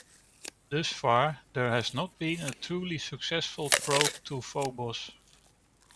Thus far, there has not been a truly successful probe to Phobos.